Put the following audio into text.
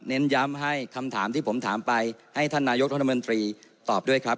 ย้ำให้คำถามที่ผมถามไปให้ท่านนายกรัฐมนตรีตอบด้วยครับ